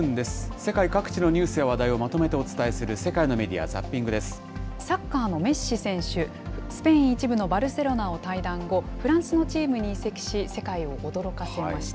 世界各地のニュースや話題をまとめてお伝えする、世界のメディアサッカーのメッシ選手、スペイン１部のバルセロナを退団後、フランスのチームに移籍し、世界を驚かせました。